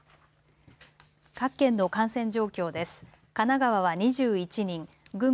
各県の感染状況です。